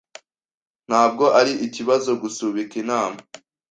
Ntabwo ari ikibazo gusubika inama.